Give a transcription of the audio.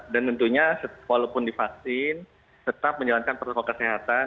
dan tentunya walaupun divaksin tetap menjalankan protokol kesehatan